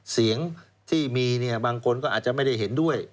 เสียงที่มีเนี่ยบางคนก็อาจจะไม่ได้เห็นด้วย